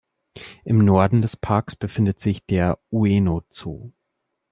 Im Norden des Parks befindet sich der Ueno-Zoo.